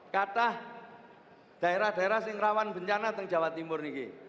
kata daerah daerah yang rawan bencana tentang jawa timur ini